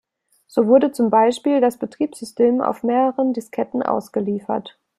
So wurde zum Beispiel das Betriebssystem auf mehreren Disketten ausgeliefert.